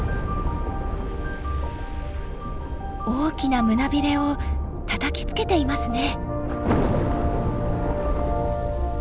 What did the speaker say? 大きな胸ビレをたたきつけていますね！